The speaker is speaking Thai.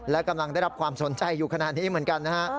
และกำลังได้รับความสนใจอยู่ขณะนี้เหมือนกันนะฮะ